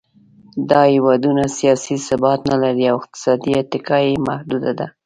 دا هېوادونه سیاسي ثبات نهلري او اقتصادي اتکا یې محدوده ده.